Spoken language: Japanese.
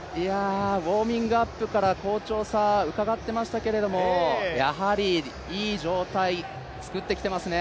ウォーミングアップから好調さ、うかがっていましたけど、やはりいい状態、作ってきていますね。